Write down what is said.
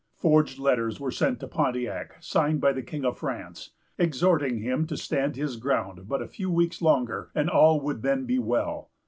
Forged letters were sent to Pontiac, signed by the King of France, exhorting him to stand his ground but a few weeks longer, and all would then be well.